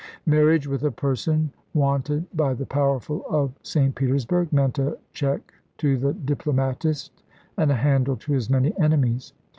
Marriage with a person wanted by the powerful of St. Petersburg meant a check to the diplomatist and a handle to his many enemies.